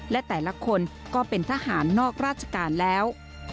และแต่ละคนก็เป็นทหารนอกราชการแล้ว